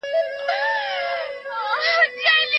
د نشه یې توکو استعمال د ژوند لنډوي.